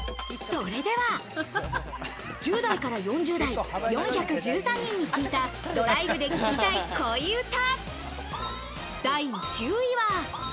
それでは、１０代から４０代、４１３人に聞いたドライブで聴きたい恋うた、第１０位は。